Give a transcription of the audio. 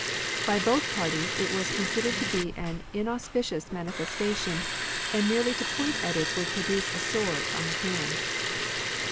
By both parties it was considered to be an inaus picious manifestation, and merely to point at it would produce a sore on the hand.